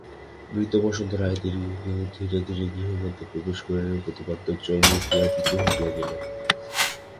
বৃদ্ধ বসন্ত রায় ধীরে ধীরে গৃহমধ্যে প্রবেশ করিলেন– প্রতাপাদিত্য চমকিয়া পিছু হটিয়া গেলেন।